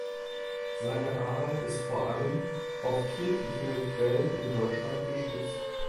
Seine Arbeit ist vor allem auf kirchliche Quellen in Deutschland gestützt.